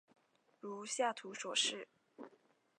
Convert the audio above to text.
如下图所示。